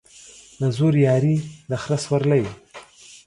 د زورياري ، د خره سورلى.